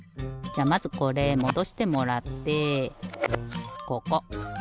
じゃあまずこれもどしてもらってここ。